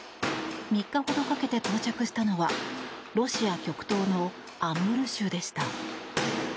３日ほどかけて到着したのはロシア極東のアムール州でした。